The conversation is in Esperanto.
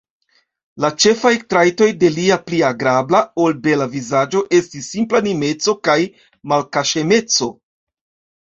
La ĉefaj trajtoj de lia pli agrabla, ol bela vizaĝo estis simplanimeco kaj malkaŝemeco.